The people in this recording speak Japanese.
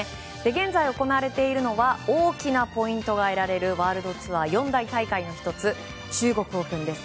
現在行われているのが大きなポイントが得られるワールドツアー四大大会の１つ中国オープンです。